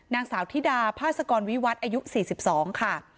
นางสาวธิดาพาสกรวิวัตรอายุ๔๒ค่ะ